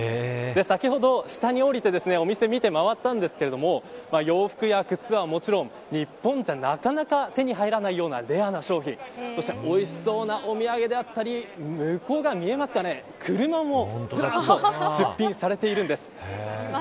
先ほど、下に降りてお店を見て回ったんですが洋服や靴はもちろん日本じゃなかなか手に入らないようなレアな商品そしておいしそうなお土産であったり向こう側には車もずらっと出品されているんです。